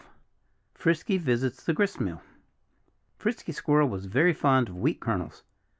XII Frisky Visits the Gristmill Frisky Squirrel was very fond of wheat kernels.